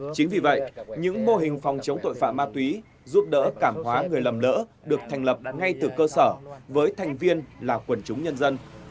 chính vì vậy những mô hình phòng chống tội phạm ma túy giúp đỡ cảm hóa người lầm lỡ được thành lập ngay từ cơ sở với thành viên là quần chúng nhân dân